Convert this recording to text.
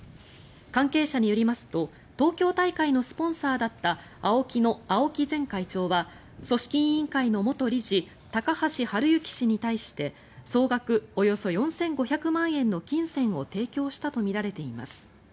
関係者によりますと東京大会のスポンサーだったＡＯＫＩの青木前会長は組織委員会の元理事高橋治之氏に対して総額およそ４５００万円の金銭を提供したとみられています。